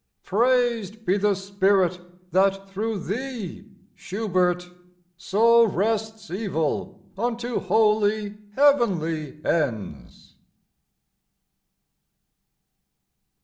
Praised be the Spirit that thro' thee, Schubert! so Wrests evil unto wholly heavenly ends.